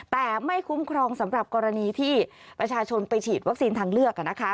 แต่ไม่คุ้มครองสำหรับกรณีที่ประชาชนไปฉีดวัคซีนทางเลือก